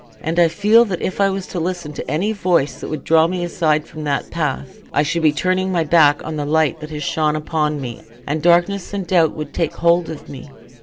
Those have been very blessed years to me, and I feel that if I was to listen to any voice that would draw me aside from that path, I should be turning my back on the light that has shone upon me, and darkness and doubt would take hold of me.